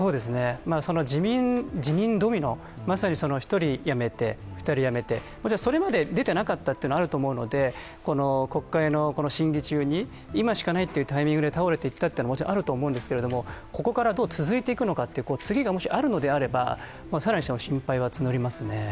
その辞任ドミノ、まさに１人辞めて、２人辞めて、それまで出てなかったというのもあると思うので、国会の審理中に今しかないというタイミングで倒れていったというのはあると思うんですけど、ここからどう続いていくのか次がもしあるのであれば、更に心配は募りますね。